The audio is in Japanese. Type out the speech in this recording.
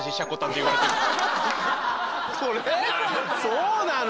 そうなの。